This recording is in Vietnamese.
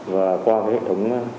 và qua hệ thống